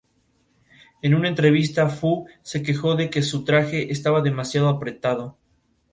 Las siguientes personalidades, se encargaron de decidir la noche final a la ganadora.